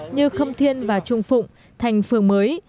như khâm thiên và trung phụng thành phường mới